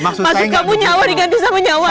masuk kamu nyawa diganti sama nyawa